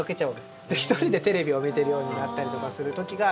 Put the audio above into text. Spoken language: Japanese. それで１人でテレビを見ているようになったりする時が。